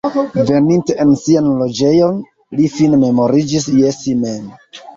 Veninte en sian loĝejon, li fine memoriĝis je si mem.